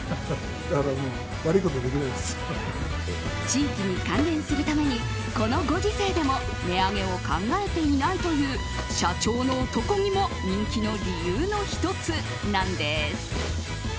地域に還元するためにこのご時世でも値上げを考えていないという社長の男気も人気の理由の１つなんです。